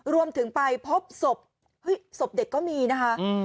รวมถึงไปพบศพศพเด็กก็มีนะคะ